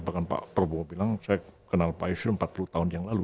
bahkan pak prabowo bilang saya kenal pak yusril empat puluh tahun yang lalu